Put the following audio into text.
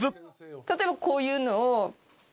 例えばこういうのを。